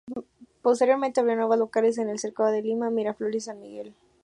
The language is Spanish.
Posteriormente abrió nuevos locales en el Cercado de Lima, Miraflores y San Miguel.